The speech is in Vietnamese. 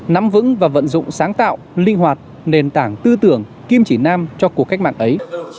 nắm vững và vận dụng sáng tạo linh hoạt nền tảng tư tưởng kim chỉ nam cho cuộc cách mạng ấy